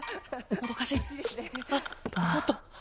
もっと！